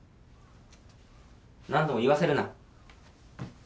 何度も言わせるな。